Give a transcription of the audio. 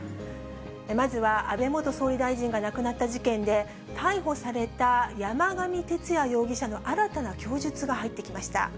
まずは、安倍元総理大臣が亡くなった事件で、逮捕された山上徹也容疑者の新たな供述が入ってきました。